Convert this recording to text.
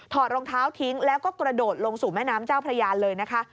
รองเท้าทิ้งแล้วก็กระโดดลงสู่แม่น้ำเจ้าพระยานเลยนะคะ